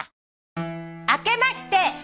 あけまして。